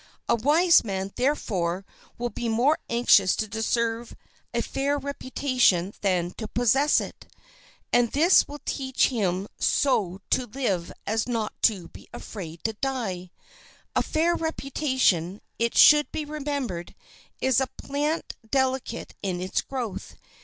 A wise man, therefore, will be more anxious to deserve a fair reputation than to possess it; and this will teach him so to live as not to be afraid to die. A fair reputation, it should be remembered, is a plant delicate in its growth.